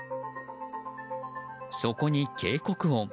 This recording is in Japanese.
そこに警告音。